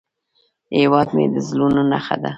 هیواد مې د زړونو نخښه ده